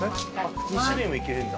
２種類もいけるんだ。